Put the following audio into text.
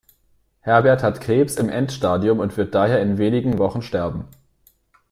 Herbert hat Krebs im Endstadium und wird daher in wenigen Wochen sterben.